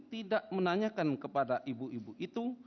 tidak menanyakan kepada ibu ibu itu